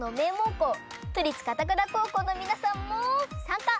こう都立片倉高校のみなさんもさんか！